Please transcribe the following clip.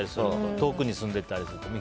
遠くに住んでたりすると。